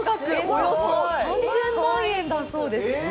およそ３０００万円だそうです。